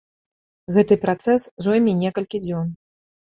Гэты працэс зойме некалькі дзён.